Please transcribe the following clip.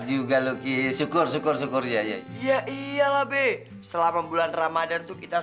jangan berkenaan aku jangan berkenaan aku